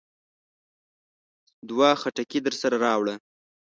دوه خټکي درسره راوړه.